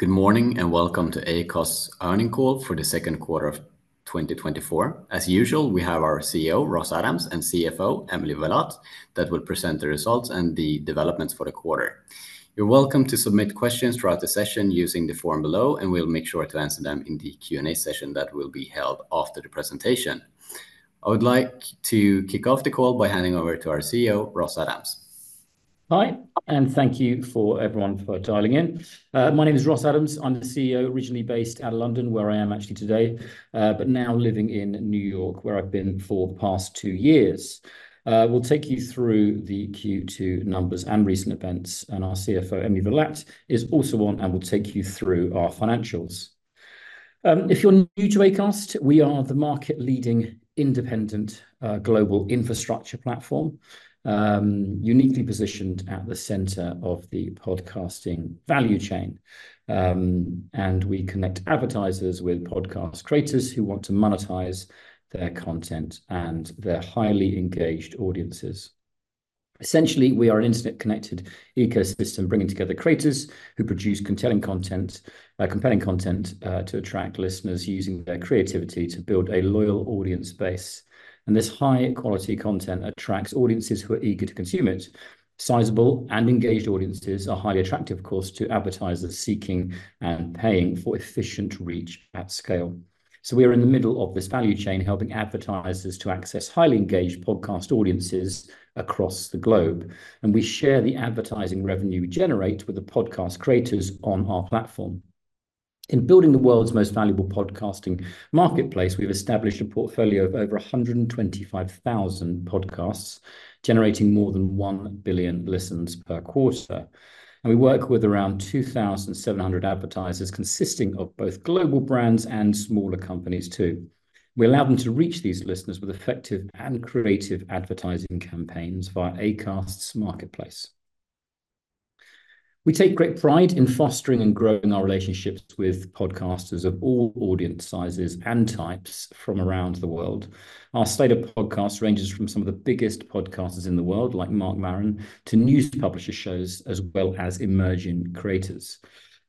Good morning, and welcome to Acast's earnings call for the second quarter of 2024. As usual, we have our CEO, Ross Adams, and CFO, Emily Villatte, that will present the results and the developments for the quarter. You're welcome to submit questions throughout the session using the form below, and we'll make sure to answer them in the Q&A session that will be held after the presentation. I would like to kick off the call by handing over to our CEO, Ross Adams. Hi, and thank you for everyone for dialing in. My name is Ross Adams. I'm the CEO, originally based out of London, where I am actually today, but now living in New York, where I've been for the past two years. We'll take you through the Q2 numbers and recent events, and our CFO, Emily Villatte, is also on and will take you through our financials. If you're new to Acast, we are the market-leading independent, global infrastructure platform, uniquely positioned at the center of the podcasting value chain. We connect advertisers with podcast creators who want to monetize their content and their highly engaged audiences. Essentially, we are an internet-connected ecosystem, bringing together creators who produce compelling content to attract listeners, using their creativity to build a loyal audience base, and this high-quality content attracts audiences who are eager to consume it. Sizable and engaged audiences are highly attractive, of course, to advertisers seeking and paying for efficient reach at scale. So we are in the middle of this value chain, helping advertisers to access highly engaged podcast audiences across the globe, and we share the advertising revenue we generate with the podcast creators on our platform. In building the world's most valuable podcasting marketplace, we've established a portfolio of over 125,000 podcasts, generating more than 1 billion listens per quarter, and we work with around 2,700 advertisers, consisting of both global brands and smaller companies, too. We allow them to reach these listeners with effective and creative advertising campaigns via Acast's marketplace. We take great pride in fostering and growing our relationships with podcasters of all audience sizes and types from around the world. Our slate of podcasts ranges from some of the biggest podcasters in the world, like Marc Maron, to news publisher shows, as well as emerging creators.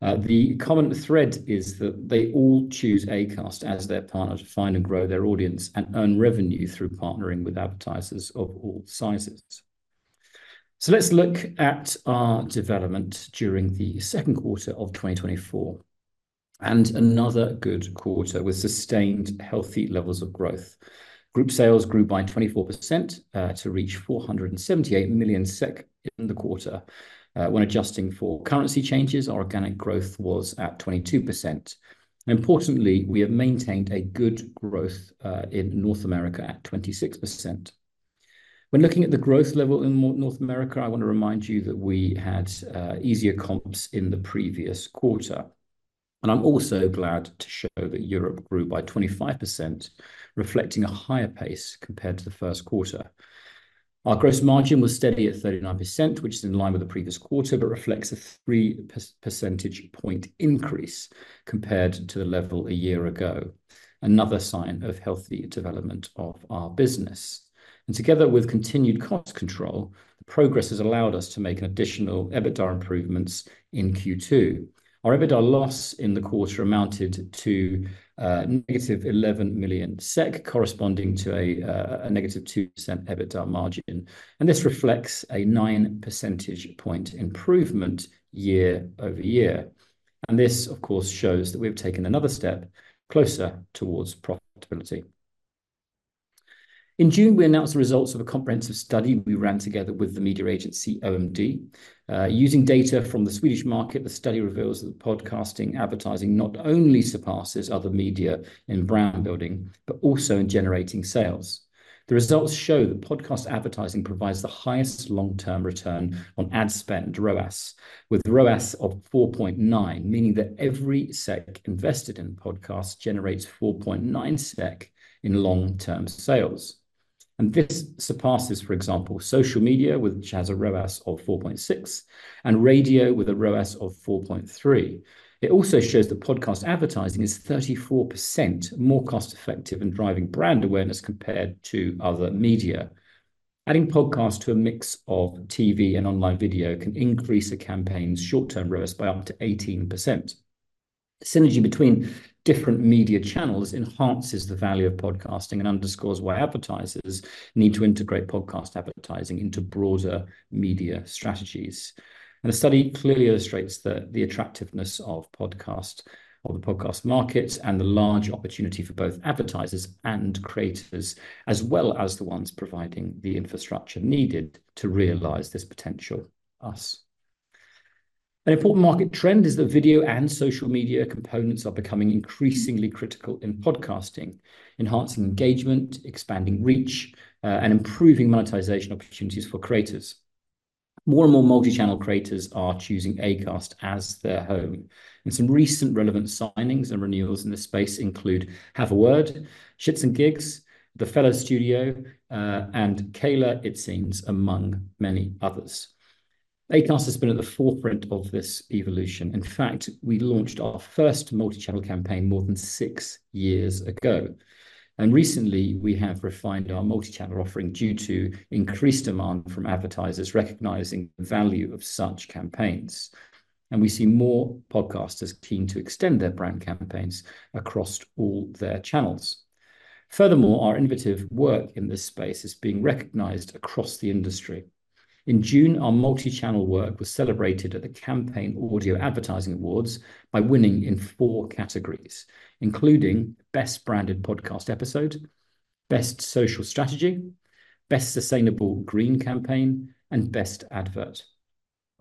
The common thread is that they all choose Acast as their partner to find and grow their audience and earn revenue through partnering with advertisers of all sizes. So let's look at our development during the second quarter of 2024, and another good quarter with sustained healthy levels of growth. Group sales grew by 24% to reach 478 million SEK in the quarter. When adjusting for currency changes, our organic growth was at 22%. Importantly, we have maintained a good growth in North America at 26%. When looking at the growth level in North America, I want to remind you that we had easier comps in the previous quarter, and I'm also glad to show that Europe grew by 25%, reflecting a higher pace compared to the first quarter. Our gross margin was steady at 39%, which is in line with the previous quarter, but reflects a three percentage point increase compared to the level a year ago, another sign of healthy development of our business. And together with continued cost control, the progress has allowed us to make an additional EBITDA improvements in Q2. Our EBITDA loss in the quarter amounted to negative 11 million SEK, corresponding to a negative 2% EBITDA margin, and this reflects a 9 percentage point improvement year-over-year. And this, of course, shows that we've taken another step closer toward profitability. In June, we announced the results of a comprehensive study we ran together with the media agency OMD. Using data from the Swedish market, the study reveals that podcasting advertising not only surpasses other media in brand building, but also in generating sales. The results show that podcast advertising provides the highest long-term return on ad spend ROAS, with ROAS of 4.9, meaning that every SEK invested in podcasts generates 4.9 SEK in long-term sales. This surpasses, for example, social media, which has a ROAS of 4.6, and radio, with a ROAS of 4.3. It also shows that podcast advertising is 34% more cost-effective in driving brand awareness compared to other media. Adding podcasts to a mix of TV and online video can increase a campaign's short-term ROAS by up to 18%. Synergy between different media channels enhances the value of podcasting and underscores why advertisers need to integrate podcast advertising into broader media strategies. The study clearly illustrates that the attractiveness of podcast, or the podcast market, and the large opportunity for both advertisers and creators, as well as the ones providing the infrastructure needed to realize this potential, us. An important market trend is that video and social media components are becoming increasingly critical in podcasting, enhancing engagement, expanding reach, and improving monetization opportunities for creators. More and more multi-channel creators are choosing Acast as their home, and some recent relevant signings and renewals in this space include Have A Word, ShxtsNGigs, The Fellas Studios, and Kayla Itsines, among many others. Acast has been at the forefront of this evolution. In fact, we launched our first multi-channel campaign more than six years ago, and recently we have refined our multi-channel offering due to increased demand from advertisers recognizing the value of such campaigns. And we see more podcasters keen to extend their brand campaigns across all their channels. Furthermore, our innovative work in this space is being recognized across the industry. In June, our multi-channel work was celebrated at the Campaign Audio Advertising Awards by winning in four categories, including Best Branded Podcast Episode, Best Social Strategy, Best Sustainable Green Campaign, and Best Advert.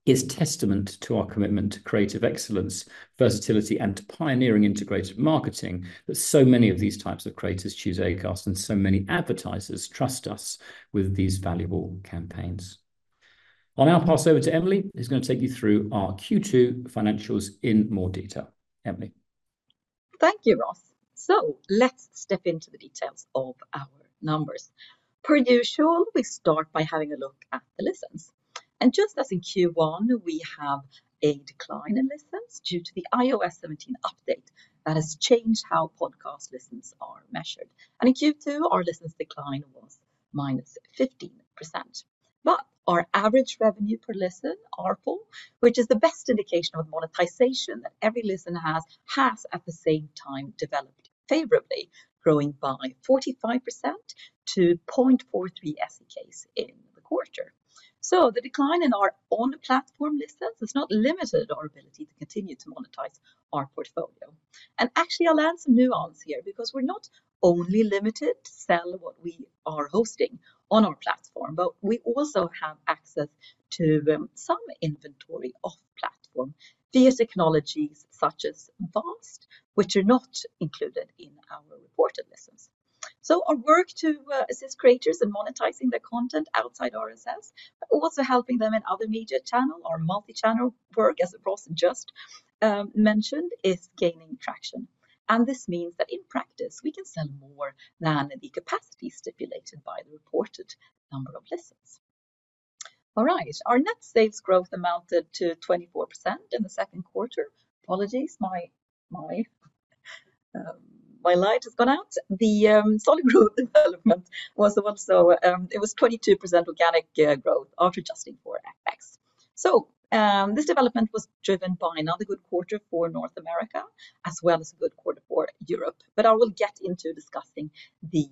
It's testament to our commitment to creative excellence, versatility, and pioneering integrated marketing that so many of these types of creators choose Acast, and so many advertisers trust us with these valuable campaigns. I'll now pass over to Emily, who's gonna take you through our Q2 financials in more detail. Emily? Thank you, Ross. So let's step into the details of our numbers. Per usual, we start by having a look at the listens. And just as in Q1, we have a decline in listens due to the iOS 17 update that has changed how podcast listens are measured. And in Q2, our listens decline was -15%. But our average revenue per listen, ARPL, which is the best indication of monetization that every listener has, at the same time, developed favorably, growing by 45% to 0.43 SEK in the quarter. So the decline in our on-platform listens has not limited our ability to continue to monetize our portfolio. Actually, I'll add some nuance here, because we're not only limited to sell what we are hosting on our platform, but we also have access to some inventory off-platform via technologies such as VAST, which are not included in our reported listens. So our work to assist creators in monetizing their content outside RSS, but also helping them in other media channel or multi-channel work, as Ross just mentioned, is gaining traction. And this means that in practice, we can sell more than the capacity stipulated by the reported number of listens. All right, our net sales growth amounted to 24% in the second quarter. Apologies, my light has gone out. The solid growth development was also 22% organic growth after adjusting for FX. So, this development was driven by another good quarter for North America, as well as a good quarter for Europe. But I will get into discussing the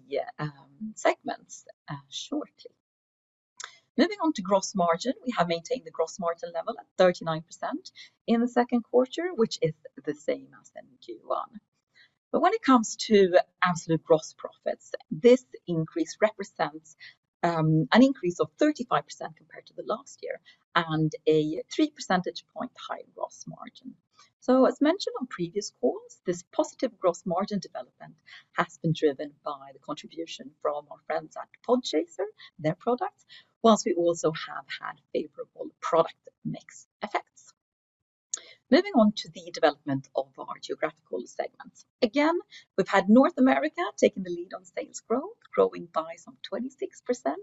segments shortly. Moving on to gross margin, we have maintained the gross margin level at 39% in the second quarter, which is the same as in Q1. But when it comes to absolute gross profits, this increase represents an increase of 35% compared to the last year, and a three percentage point higher gross margin. So as mentioned on previous calls, this positive gross margin development has been driven by the contribution from our friends at Podchaser, their products, whilst we also have had favorable product mix effects. Moving on to the development of our geographical segments. Again, we've had North America taking the lead on sales growth, growing by some 26%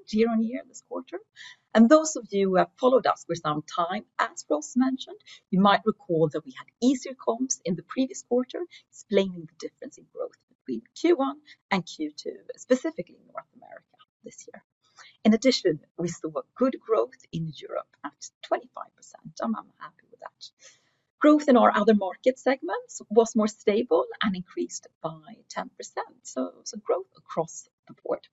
year-on-year this quarter. And those of you who have followed us for some time, as Ross mentioned, you might recall that we had easier comps in the previous quarter, explaining the difference in growth between Q1 and Q2, specifically in North America this year. In addition, we saw a good growth in Europe at 25%, I'm happy with that. Growth in our other market segments was more stable and increased by 10%, so it was a growth across the board.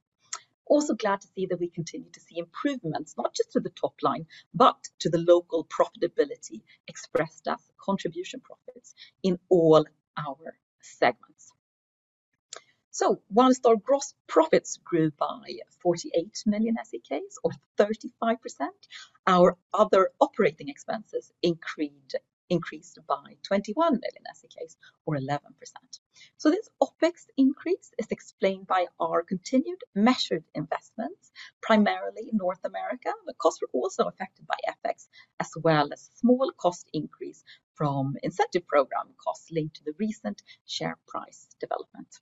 Also glad to see that we continue to see improvements, not just to the top line, but to the local profitability expressed as contribution profits in all our segments. So whilst our gross profits grew by 48 million SEK or 35%, our other operating expenses increased, increased by 21 million SEK or 11%. So this OpEx increase is explained by our continued measured investments, primarily in North America, but costs were also affected by FX, as well as small cost increase from incentive program costs linked to the recent share price development.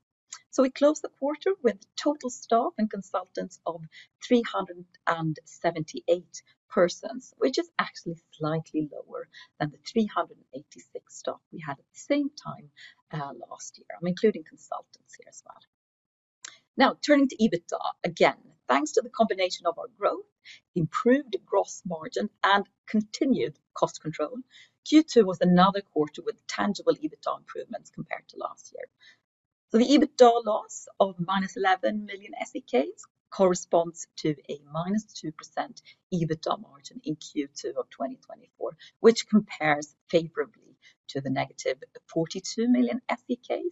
So we closed the quarter with total staff and consultants of 378 persons, which is actually slightly lower than the 386 staff we had at the same time last year. I'm including consultants here as well. Now, turning to EBITDA, again, thanks to the combination of our growth, improved gross margin, and continued cost control, Q2 was another quarter with tangible EBITDA improvements compared to last year. So the EBITDA loss of -11 million SEK corresponds to a -2% EBITDA margin in Q2 of 2024, which compares favorably to the -42 million SEK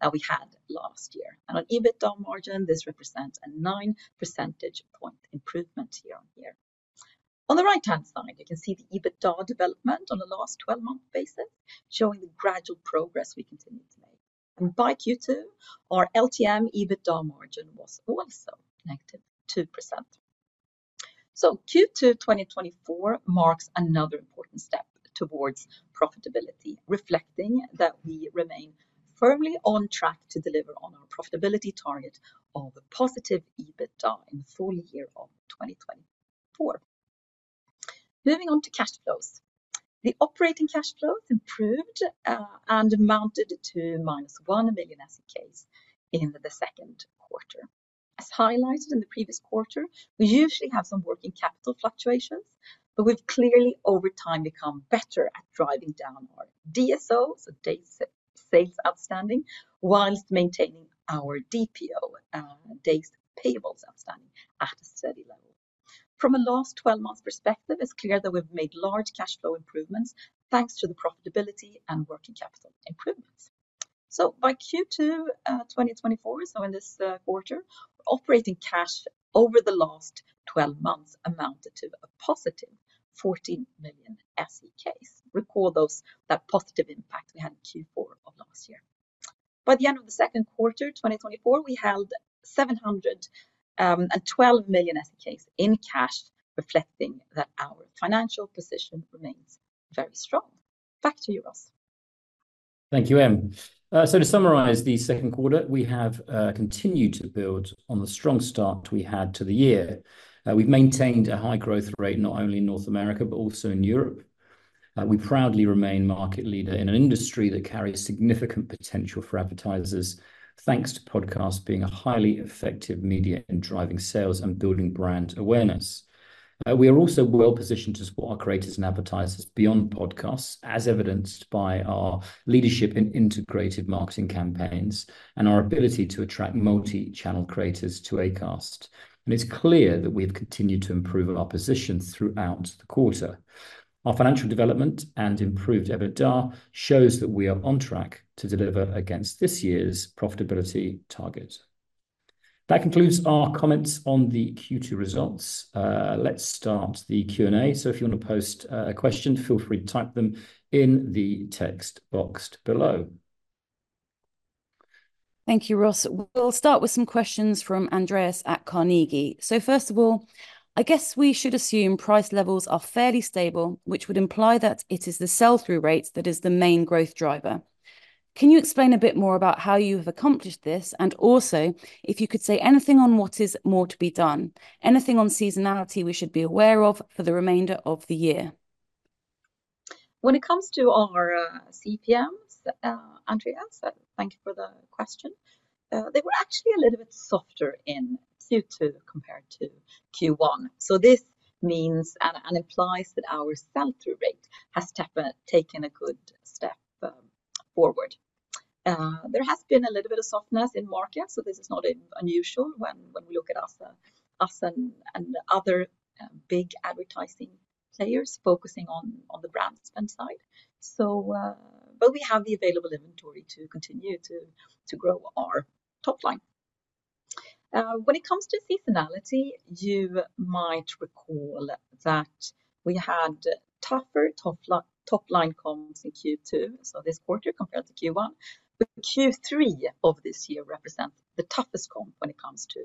that we had last year. On EBITDA margin, this represents a 9 percentage point improvement year-over-year. On the right-hand side, you can see the EBITDA development on the last 12-month basis, showing the gradual progress we continue to make. By Q2, our LTM EBITDA margin was also -2%. So Q2, 2024 marks another important step towards profitability, reflecting that we remain firmly on track to deliver on our profitability target of a positive EBITDA in the full year of 2024. Moving on to cash flows. The operating cash flows improved and amounted to -1 million SEK in the second quarter. As highlighted in the previous quarter, we usually have some working capital fluctuations, but we've clearly, over time, become better at driving down our DSO, so days sales outstanding, whilst maintaining our DPO, days payables outstanding, at a steady level. From a last twelve months perspective, it's clear that we've made large cash flow improvements, thanks to the profitability and working capital improvements. So by Q2 2024, so in this quarter, operating cash over the last twelve months amounted to a positive 14 million SEK. Recall those, that positive impact we had in Q4 of last year. By the end of the second quarter 2024, we held 712 million in cash, reflecting that our financial position remains very strong. Back to you, Ross. Thank you, Em. So to summarize the second quarter, we have continued to build on the strong start we had to the year. We've maintained a high growth rate, not only in North America, but also in Europe. We proudly remain market leader in an industry that carries significant potential for advertisers, thanks to podcasts being a highly effective media in driving sales and building brand awareness. We are also well positioned to support our creators and advertisers beyond podcasts, as evidenced by our leadership in integrated marketing campaigns, and our ability to attract multi-channel creators to Acast. It's clear that we have continued to improve on our position throughout the quarter. Our financial development and improved EBITDA shows that we are on track to deliver against this year's profitability target. That concludes our comments on the Q2 results. Let's start the Q&A, so if you want to post a question, feel free to type them in the text box below. Thank you, Ross. We'll start with some questions from Andreas at Carnegie. "So first of all, I guess we should assume price levels are fairly stable, which would imply that it is the sell-through rate that is the main growth driver. Can you explain a bit more about how you have accomplished this, and also, if you could say anything on what is more to be done? Anything on seasonality we should be aware of for the remainder of the year?" When it comes to our CPMs, Andreas, thank you for the question. They were actually a little bit softer in Q2, compared to Q1. So this means, and implies that our sell-through rate has taken a good step forward. There has been a little bit of softness in market, so this is not unusual when we look at U.S. and other big advertising players focusing on the brand spend side. So, but we have the available inventory to continue to grow our top line. When it comes to seasonality, you might recall that we had tougher top line comps in Q2, so this quarter compared to Q1, but Q3 of this year represents the toughest comp when it comes to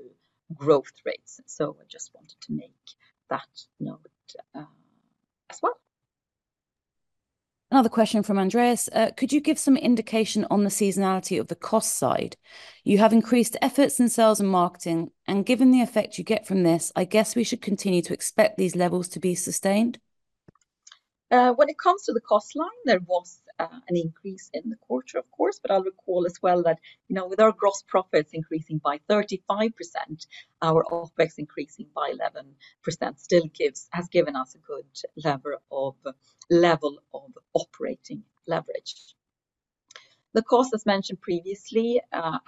growth rates. So I just wanted to make that note as well. Another question from Andreas: "Could you give some indication on the seasonality of the cost side? You have increased efforts in sales and marketing, and given the effect you get from this, I guess we should continue to expect these levels to be sustained?" When it comes to the cost line, there was an increase in the quarter, of course, but I'll recall as well that, you know, with our gross profits increasing by 35%, our OpEx increasing by 11% still gives- has given us a good lever of, level of operating leverage. The cost, as mentioned previously,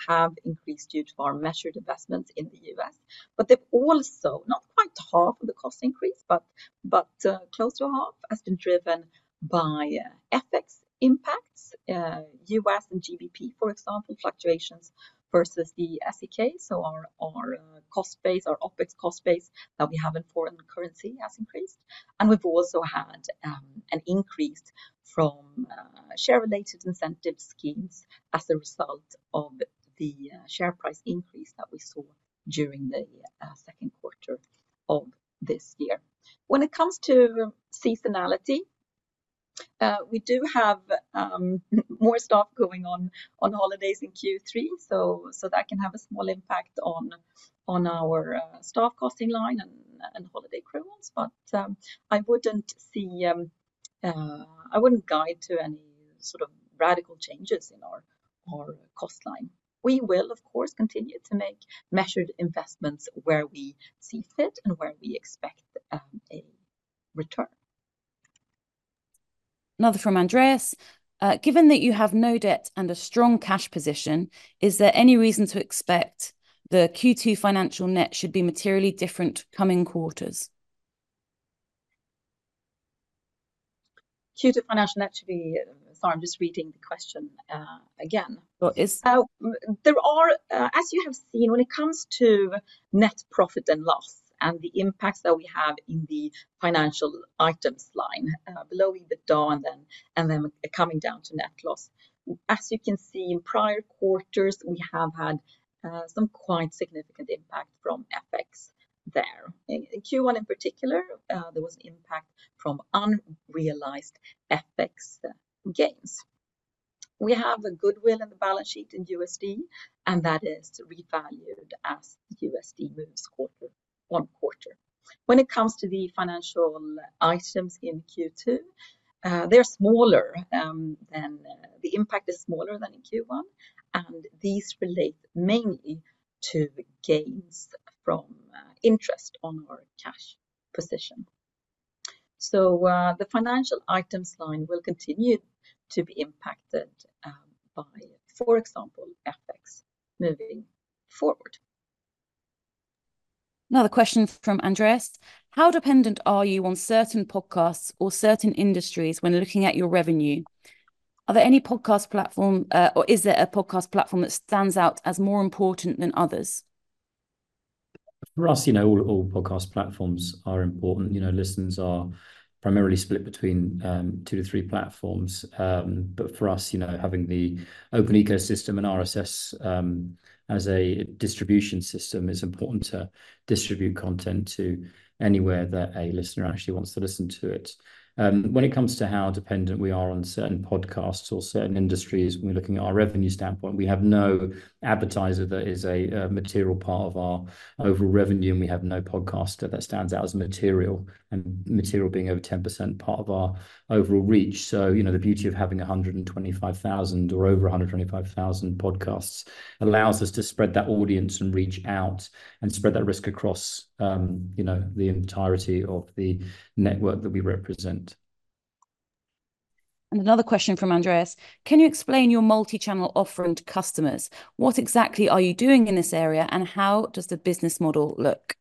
have increased due to our measured investments in the U.S., but they've also, not quite half of the cost increase, but, but, close to half, has been driven by FX impacts, USD and GBP, for example, fluctuations versus the SEK. So our cost base, our OpEx cost base that we have in foreign currency has increased, and we've also had an increase from share related incentive schemes as a result of the share price increase that we saw during the second quarter of this year. When it comes to seasonality, we do have more staff going on holidays in Q3, so that can have a small impact on our staff costing line and holiday accruals. But I wouldn't guide to any sort of radical changes in our cost line. We will, of course, continue to make measured investments where we see fit and where we expect a return. Another from Andreas: "Given that you have no debt and a strong cash position, is there any reason to expect the Q2 financial net should be materially different coming quarters?" Q2 financial net should be.. Sorry, I'm just reading the question, again. Well, it's- So there are, as you have seen, when it comes to net profit and loss, and the impacts that we have in the financial items line, below EBITDA, and then coming down to net loss, as you can see, in prior quarters, we have had some quite significant impact from FX there. In Q1 in particular, there was impact from unrealized FX gains. We have a goodwill in the balance sheet in USD, and that is revalued as USD moves quarter to quarter. When it comes to the financial items in Q2, they're smaller, the impact is smaller than in Q1, and these relate mainly to gains from interest on our cash position. So, the financial items line will continue to be impacted by, for example, FX moving forward. Another question from Andreas. "How dependent are you on certain podcasts or certain industries when looking at your revenue? Are there any podcast platform, or is there a podcast platform that stands out as more important than others?" For us, you know, all, all podcast platforms are important. You know, listens are primarily split between 2-3 platforms. But for us, you know, having the open ecosystem and RSS as a distribution system is important to distribute content to anywhere that a listener actually wants to listen to it. When it comes to how dependent we are on certain podcasts or certain industries, when we're looking at our revenue standpoint, we have no advertiser that is a material part of our overall revenue, and we have no podcaster that stands out as material, and material being over 10% part of our overall reach. So, you know, the beauty of having 125,000 or over 125,000 podcasts allows us to spread that audience and reach out, and spread that risk across, you know, the entirety of the network that we represent. Another question from Andreas: "Can you explain your multi-channel offering to customers? What exactly are you doing in this area, and how does the business model look?"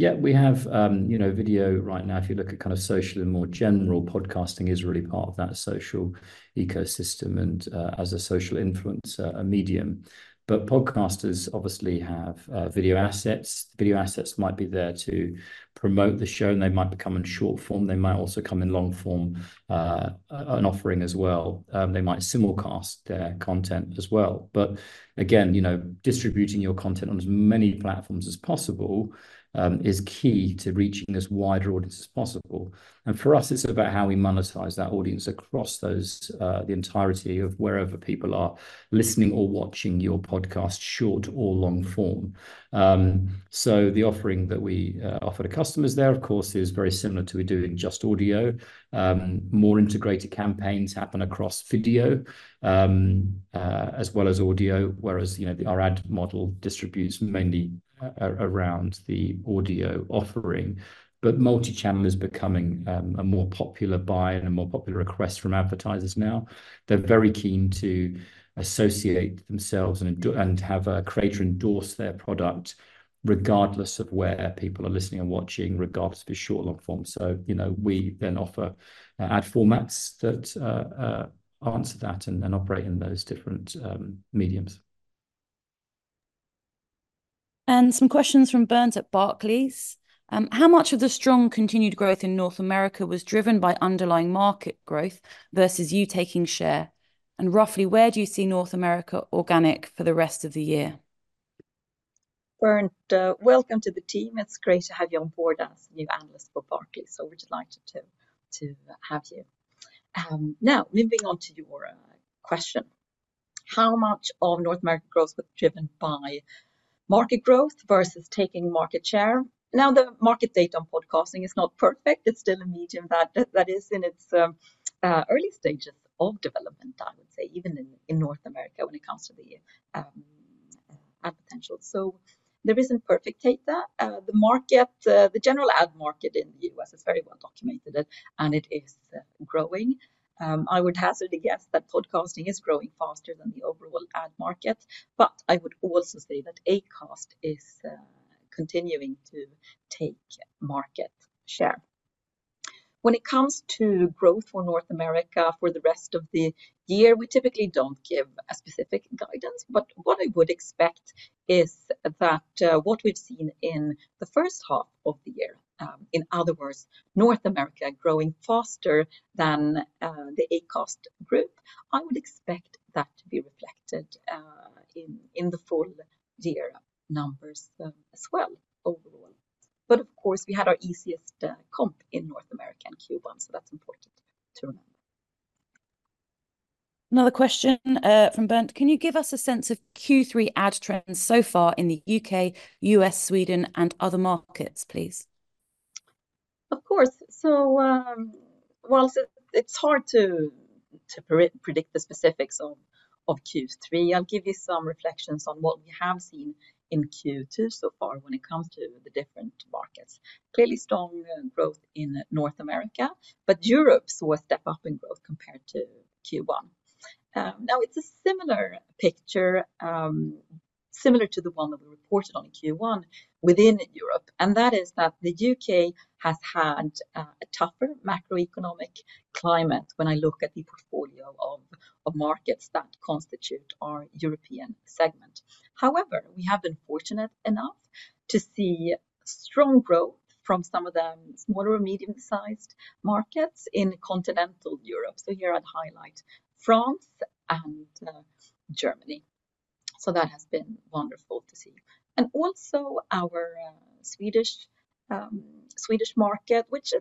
Yeah, we have, you know, video right now. If you look at kind of social and more general, podcasting is really part of that social ecosystem and, as a social influencer, a medium. But podcasters obviously have video assets. Video assets might be there to promote the show, and they might become in short form, they might also come in long form, an offering as well. They might simulcast their content as well. But, again, you know, distributing your content on as many platforms as possible is key to reaching as wide an audience as possible. And for us, it's about how we monetize that audience across those, the entirety of wherever people are listening or watching your podcast, short or long form. So the offering that we offer to customers there, of course, is very similar to we do in just audio. More integrated campaigns happen across video as well as audio, whereas, you know, our ad model distributes mainly around the audio offering. But multi-channel is becoming a more popular buy and a more popular request from advertisers now. They're very keen to associate themselves and have a creator endorse their product, regardless of where people are listening and watching, regardless of the short, long form. So, you know, we then offer ad formats that answer that and then operate in those different mediums. Some questions from Bernd at Barclays. "How much of the strong continued growth in North America was driven by underlying market growth versus you taking share? And roughly, where do you see North America organic for the rest of the year?" Bernd, welcome to the team. It's great to have you on board as the new analyst for Barclays, so we're delighted to have you. Now, moving on to your question, how much of North American growth was driven by market growth versus taking market share? Now, the market data on podcasting is not perfect. It's still a medium that is in its early stages of development, I would say, even in North America when it comes to the ad potential. So there isn't perfect data. The market, the general ad market in the U.S. is very well documented, and it is growing. I would hazard a guess that podcasting is growing faster than the overall ad market, but I would also say that Acast is continuing to take market share. When it comes to growth for North America for the rest of the year, we typically don't give a specific guidance, but what I would expect is that, what we've seen in the first half of the year, in other words, North America growing faster than, the Acast group, I would expect that to be reflected, in the full year numbers, as well overall. But, of course, we had our easiest, comp in North America in Q1, so that's important to remember. Another question from Bernd: "Can you give us a sense of Q3 ad trends so far in the UK, US, Sweden, and other markets, please?" Of course. So, it's hard to predict the specifics of Q3. I'll give you some reflections on what we have seen in Q2 so far when it comes to the different markets. Clearly, strong growth in North America, but Europe saw a step-up in growth compared to Q1. Now, it's a similar picture, similar to the one that we reported on in Q1 within Europe, and that is that the UK has had a tougher macroeconomic climate when I look at the portfolio of markets that constitute our European segment. However, we have been fortunate enough to see strong growth from some of the smaller and medium-sized markets in continental Europe. So here I'd highlight France and Germany. So that has been wonderful to see. And also our Swedish market, which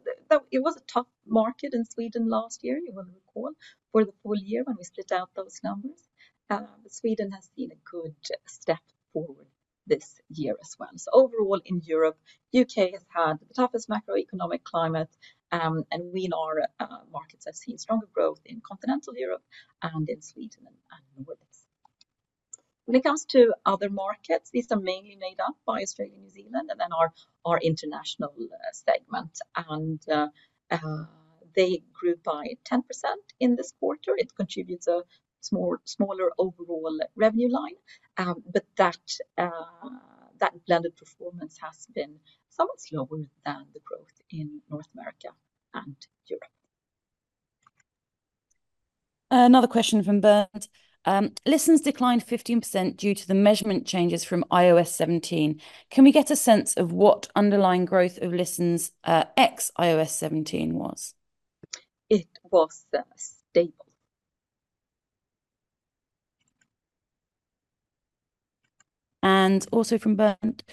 it was a tough market in Sweden last year, you will recall, for the full year when we split out those numbers. But Sweden has seen a good step forward this year as well. So overall, in Europe, U.K. has had the toughest macroeconomic climate, and we in our markets have seen stronger growth in continental Europe and in Sweden and Nordics. When it comes to other markets, these are mainly made up by Australia, New Zealand, and then our international segment. They grew by 10% in this quarter. It contributes a smaller overall revenue line, but that blended performance has been somewhat slower than the growth in North America and Europe. Another question from Bernd. "Listens declined 15% due to the measurement changes from iOS 17. Can we get a sense of what underlying growth of listens, ex-iOS 17 was?" It was stable. And also from Bernd: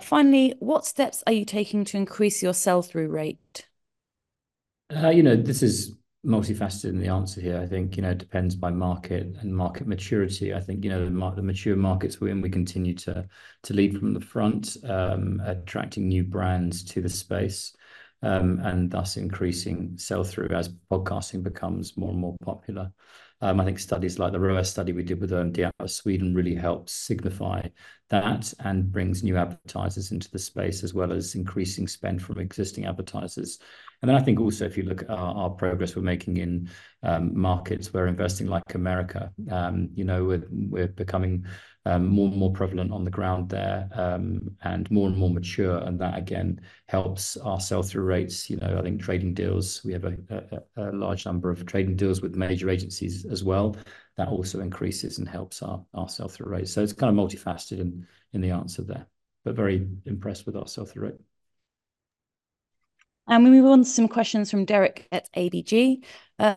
"Finally, what steps are you taking to increase your sell-through rate?" You know, this is multifaceted, and the answer here, I think, you know, it depends by market and market maturity. I think, you know, the mature markets, when we continue to lead from the front, attracting new brands to the space, and thus increasing sell-through as podcasting becomes more and more popular. I think studies like the ROAS study we did with OMD out of Sweden really helped signify that and brings new advertisers into the space, as well as increasing spend from existing advertisers. And then I think also, if you look at our progress we're making in markets we're investing like America. You know, we're becoming more and more prevalent on the ground there, and more and more mature, and that, again, helps our sell-through rates. You know, I think trading deals, we have a large number of trading deals with major agencies as well. That also increases and helps our sell-through rate. So it's kind of multifaceted in the answer there, but very impressed with our sell-through rate. We move on to some questions from Derek at ABG.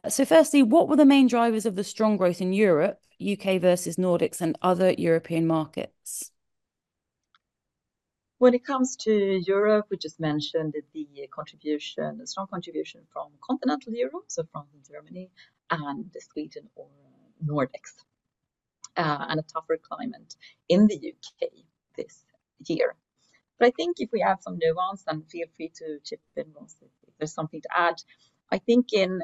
"So, firstly, what were the main drivers of the strong growth in Europe, UK versus Nordics and other European markets?" When it comes to Europe, we just mentioned that the contribution, a strong contribution from continental Europe, so from Germany and Sweden or Nordics, and a tougher climate in the UK this year. But I think if we have some nuance, then feel free to chip in, Ross, if there's something to add. I think in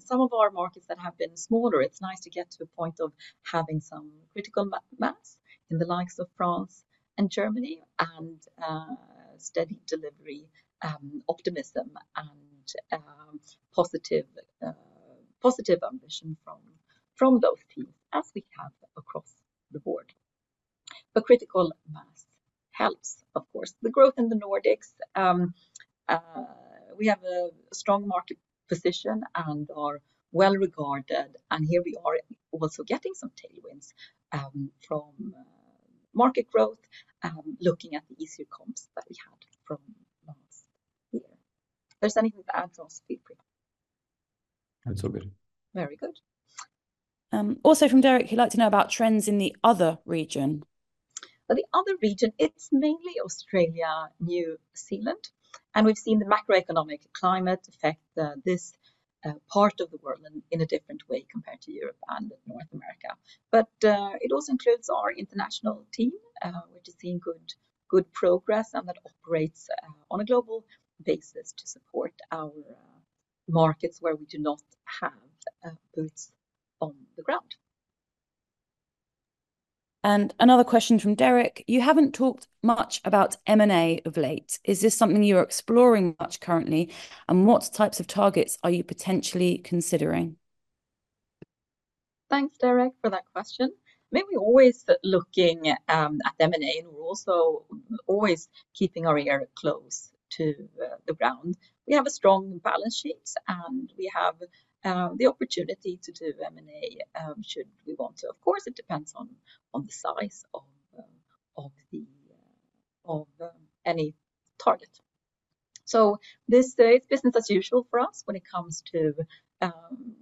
some of our markets that have been smaller, it's nice to get to a point of having some critical mass in the likes of France and Germany, and steady delivery, optimism, and positive ambition from those teams, as we have across the board. But critical mass helps, of course. The growth in the Nordics, we have a strong market position and are well-regarded, and here we are also getting some tailwinds from market growth, looking at the easier comps that we had from last year. If there's anything to add, Ross, feel free. It's all good. Very good. Also from Derek, he'd like to know about trends in the other region. Well, the other region, it's mainly Australia, New Zealand, and we've seen the macroeconomic climate affect this part of the world in a different way compared to Europe and North America. But, it also includes our international team, which has seen good progress and that operates on a global basis to support our markets where we do not have boots on the ground. Another question from Derek: "You haven't talked much about M&A of late. Is this something you're exploring much currently, and what types of targets are you potentially considering?" Thanks, Derek, for that question. I mean, we're always looking at M&A, and we're also always keeping our ear close to the ground. We have a strong balance sheet, and we have the opportunity to do M&A, should we want to. Of course, it depends on the size of any target. So it's business as usual for us when it comes to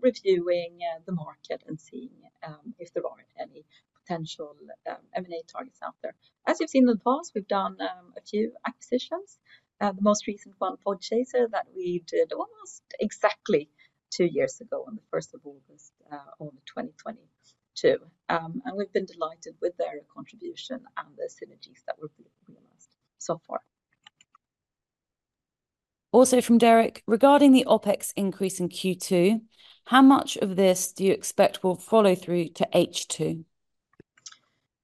reviewing the market and seeing if there aren't any potential M&A targets out there. As you've seen in the past, we've done a few acquisitions. The most recent one, Podchaser, that we did almost exactly two years ago, on the 1st of August of 2022. And we've been delighted with their contribution and the synergies that were being realized so far. Also from Derek: "Regarding the OpEx increase in Q2, how much of this do you expect will follow through to H2?"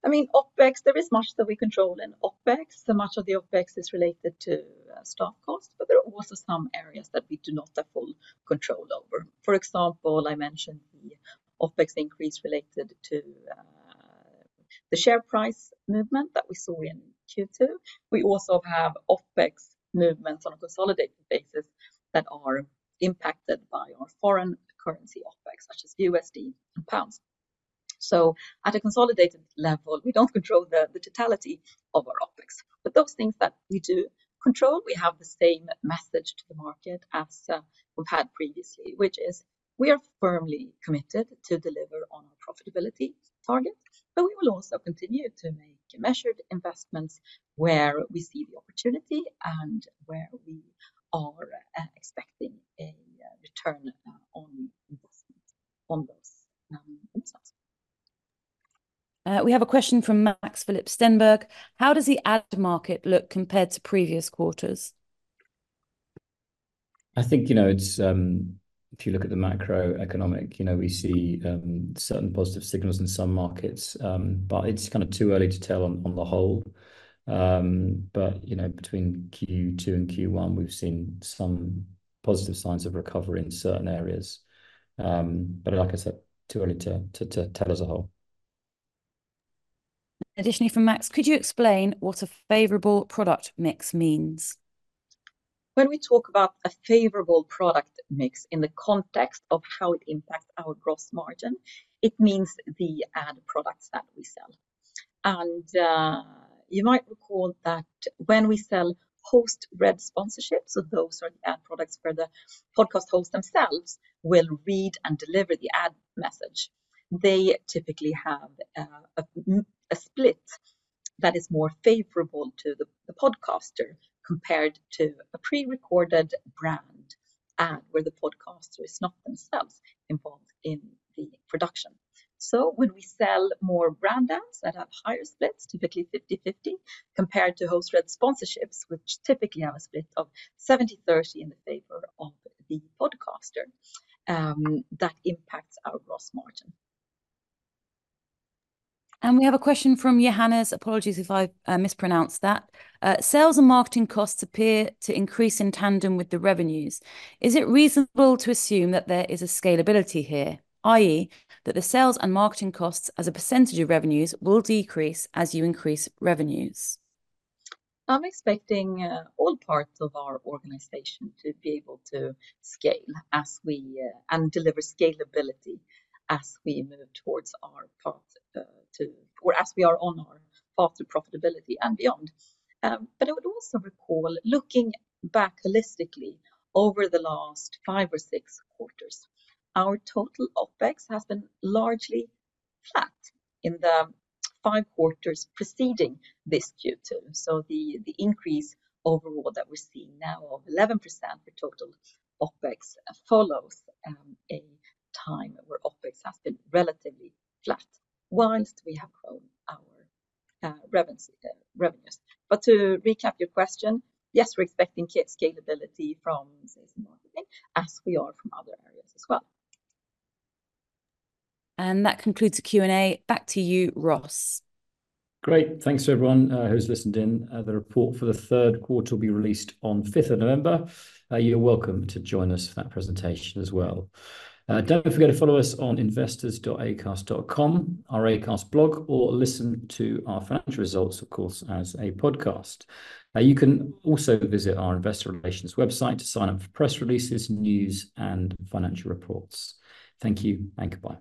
I mean, OpEx, there is much that we control in OpEx, so much of the OpEx is related to staff cost, but there are also some areas that we do not have full control over. For example, I mentioned the OpEx increase related to the share price movement that we saw in Q2. We also have OpEx movements on a consolidated basis that are impacted by our foreign currency OpEx, such as USD and pounds. So at a consolidated level, we don't control the totality of our OpEx, but those things that we do control, we have the same message to the market as we've had previously, which is, we are firmly committed to deliver on our profitability target, but we will also continue to make measured investments where we see the opportunity and where we are expecting a return on investment on those themselves. We have a question from Max-Philip Stenberg: "How does the ad market look compared to previous quarters?" I think, you know, it's if you look at the macroeconomic, you know, we see certain positive signals in some markets, but it's kind of too early to tell on the whole. But, you know, between Q2 and Q1, we've seen some positive signs of recovery in certain areas. But like I said, too early to tell as a whole. Additionally, from Max, "Could you explain what a favorable product mix means?" When we talk about a favorable product mix in the context of how it impacts our gross margin, it means the ad products that we sell. You might recall that when we sell host-read sponsorships, so those are the ad products where the podcast hosts themselves will read and deliver the ad message, they typically have a split that is more favorable to the podcaster, compared to a pre-recorded brand ad, where the podcaster is not themselves involved in the production. When we sell more brand ads that have higher splits, typically 50/50, compared to host-read sponsorships, which typically have a split of 70/30 in favor of the podcaster, that impacts our gross margin. We have a question from Johannes. Apologies if I mispronounced that. "Sales and marketing costs appear to increase in tandem with the revenues. Is it reasonable to assume that there is a scalability here, i.e., that the sales and marketing costs as a percentage of revenues will decrease as you increase revenues?" I'm expecting all parts of our organization to be able to scale as we.. And deliver scalability as we move towards our path, or as we are on our path to profitability and beyond. But I would also recall, looking back holistically, over the last five or six quarters, our total OpEx has been largely flat in the five quarters preceding this Q2. So the increase overall that we're seeing now of 11% for total OpEx follows a time where OpEx has been relatively flat, while we have grown our revenue, revenues. But to recap your question, yes, we're expecting scalability from sales and marketing, as we are from other areas as well. That concludes the Q&A. Back to you, Ross. Great. Thanks to everyone who's listened in. The report for the third quarter will be released on 5th of November. You're welcome to join us for that presentation as well. Don't forget to follow us on investors.acast.com, our Acast blog, or listen to our financial results, of course, as a podcast. You can also visit our investor relations website to sign up for press releases, news, and financial reports. Thank you, and goodbye.